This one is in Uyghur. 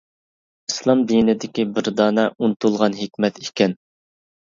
ئىسلام دىنىدىكى بىر دانە «ئۇنتۇلغان ھېكمەت» ئىكەن.